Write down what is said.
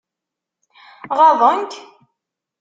Ɣaḍen-k?